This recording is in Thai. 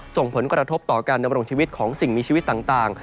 ส่งผลกระทบต่อการดำรงชีวิตของสิ่งมีชีวิตต่าง